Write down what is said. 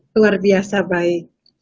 luar biasa baik